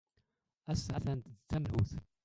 Ass-a, attan d tamelhut.